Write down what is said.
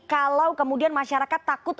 kalau kemudian masyarakat takut